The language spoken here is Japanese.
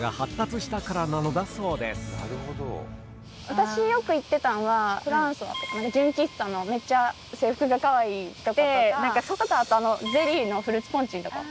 私よく行ってたんはフランソアって純喫茶のめっちゃ制服がかわいいとことかそれとかあとゼリーのフルーツポンチのとこ。